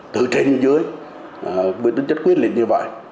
từ trên dưới quyết liệt như vậy